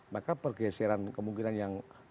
maka pergeseran kemungkinan yang terbuka lagi